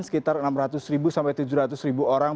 sekitar enam ratus sampai tujuh ratus ribu orang